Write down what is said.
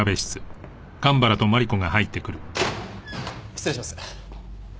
失礼します。